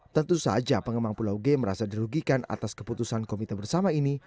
tentu saja pengembang pulau g merasa dirugikan atas keputusan komite bersama ini